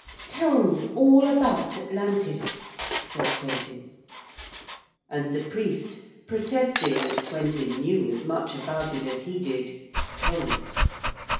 'Tell me all about Atlantis,' said Quentin. And the priest, protesting that Quentin knew as much about it as he did, told.